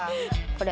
これ。